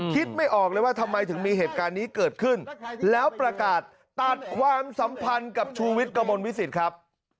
คิดไม่ออกเลยว่าทำไมถึงมีเหตุการณ์นี้เกิดขึ้นแล้วประกาศตัดความสัมพันธ์กับชูวิทย์กระมวลวิสิตครับ